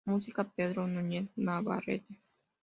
Música: Pedro Núñez Navarrete.